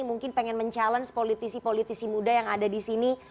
mungkin pengen mencabar politisi politisi muda yang ada di sini